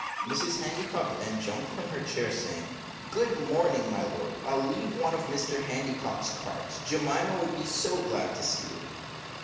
Mrs Handycock then jumped from her chair, saying, "Good morning, my lord; I'll leave one of Mr Handycock's cards. Jemima would be so glad to see you."